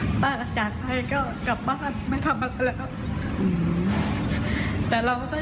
แต่เราก็ยังเตรียมโตไปจากที่นี่เราก็คิดถึง